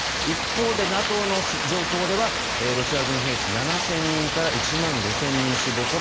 一方でＮＡＴＯの情報ではロシア軍兵士７０００人から１万５０００人死亡。